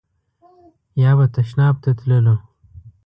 یا به تشناب ته تللو.